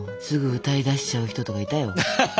すぐ歌い出しちゃう人とかいたよ。